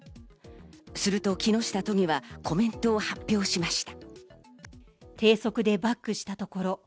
すると木下都議はコメントを発表しました。